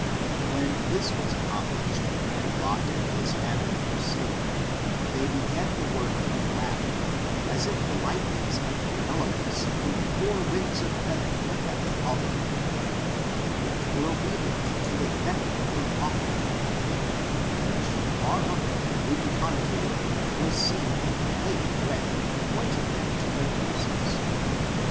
When this was accomplished, and Lot and his family were safe, then began the woi^ of wrath, as if the lightnings of the elements from the four winds of heaven kept holyday, and yet were obedient to Ae beck of an awful hand, which far up in the gloomy concave was seen in flaming red, pointing them to their courses.